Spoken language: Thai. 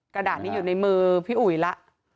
กระดาษนี้อยู่ในมือพี่อุ๋ยละ